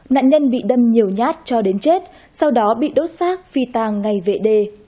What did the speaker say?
nạn nhân bị đâm nhiều nhát cho đến chết sau đó bị đốt xác phi tàng ngày vệ đê